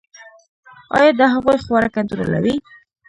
ایا د هغوی خواړه کنټرولوئ؟